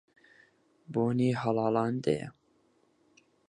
بۆنی هەڵاڵان دێ